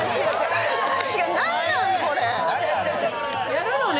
・やるのね。